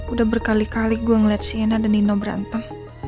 udah berkali kali gue ngeliat sienna dan nino berantem